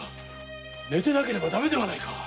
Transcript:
寝てなければだめではないか！